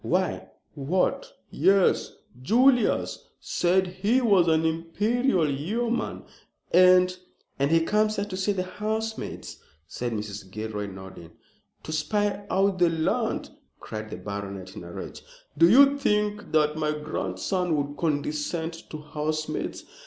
"Why what yes. Julius said he was an Imperial Yeoman and " "And he comes here to see the housemaid," said Mrs. Gilroy, nodding. "To spy out the land," cried the baronet, in a rage. "Do you think that my grandson would condescend to housemaids?